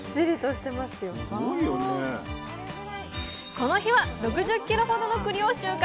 この日は６０ｋｇほどのくりを収穫。